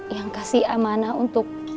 yang kasih amanah untuk